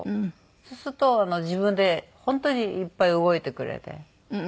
そうすると自分で本当にいっぱい動いてくれて。